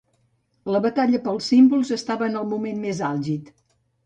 La batalla pels símbols estava en el moment més àlgid.